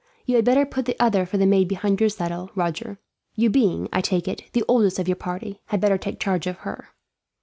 You had better put the other for the maid behind your saddle, Roger; you being, I take it, the oldest of your party, had better take charge of her."